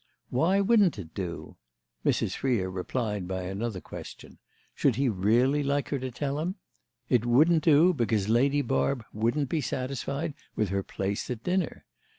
Why wouldn't it do? Mrs. Freer replied by another question—should he really like her to tell him? It wouldn't do because Lady Barb wouldn't be satisfied with her place at dinner.